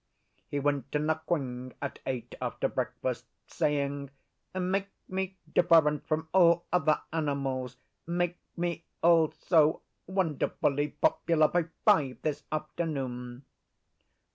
He went to Nquing at eight after breakfast, saying, 'Make me different from all other animals; make me, also, wonderfully popular by five this afternoon.